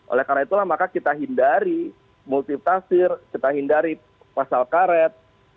oleh karena itulah maka kita hindari multip tafsir kita hindari pasal karet